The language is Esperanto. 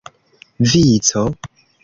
vico